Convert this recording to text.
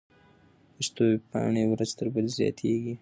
پښتو ويبپاڼې ورځ تر بلې زياتېږي.